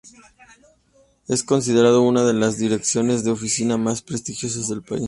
Es considerado una de las direcciones de oficinas más prestigiosas del país.